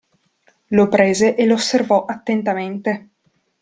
Lo prese e l'osservò attentamente.